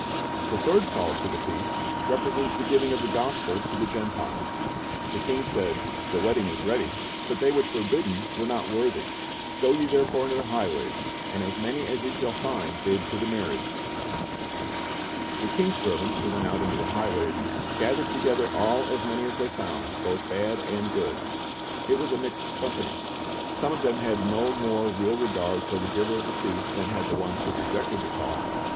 The third call to the feast represents the giving of the gospel to the Gentiles. The king said, "The wedding is ready, but they which were bidden were not worthy. Go ye therefore into the highways, and as many as ye shall find, bid to the marriage." The king's servants who went out into the highways "gathered together all as many as they found, both bad and good." It was a mixed company. Some of them had no more real regard for the giver of the feast than had the ones who rejected the call.